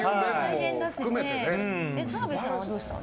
澤部さんはどうしたの？